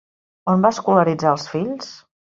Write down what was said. On va escolaritzar els fills?